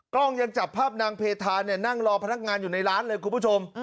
กล้องยังจับภาพนางเพธาเนี่ยนั่งรอพนักงานอยู่ในร้านเลยคุณผู้ชม